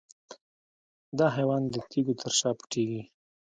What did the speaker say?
دا حیوان د تیږو تر شا پټیږي.